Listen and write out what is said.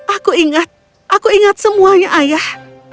aku ingat aku ingat semuanya ayah